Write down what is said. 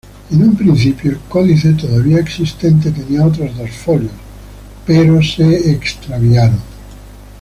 En un principio el códice todavía existente tenía otros dos folios, pero fueron extraviados.